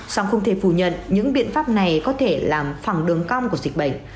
song không thể phủ nhận những biện pháp này có thể làm phẳng đường cong của dịch bệnh